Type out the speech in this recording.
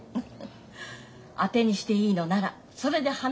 当てにしていいのならそれで話はおしまい。